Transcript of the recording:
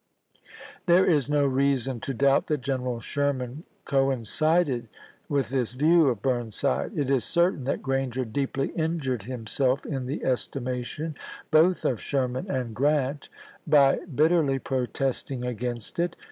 There is no reason to doubt that General Sher man coincided mth this view of Burnside; it is certain that Granger deeply injured him self in the estimation both of Sherman and Grant by bitterly protesting against it.